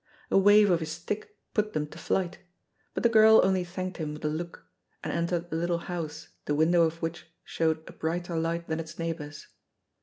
A wave of his stick put them to flight, but the girl only thanked him with a look, and entered a little house the window of which showed a brighter light than its neighbors.